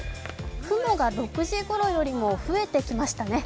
雲が６時ごろよりも増えてきましたね。